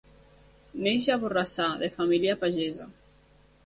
Neix a Borrassà, de família pagesa.